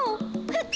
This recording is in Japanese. ふっ！